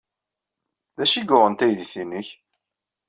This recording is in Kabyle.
D acu ay yuɣen taydit-nnek?